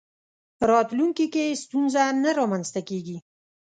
راتلونکي کې ستونزه نه رامنځته کېږي.